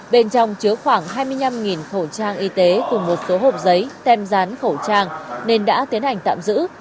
bên trong chứa khoảng hai mươi năm khẩu trang y tế cùng một số hộp giấy tem rán khẩu trang nên đã tiến hành tạm giữ